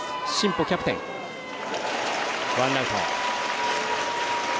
ワンアウト。